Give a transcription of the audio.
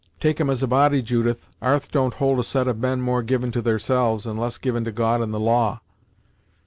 Take 'em as a body, Judith, 'arth don't hold a set of men more given to theirselves, and less given to God and the law."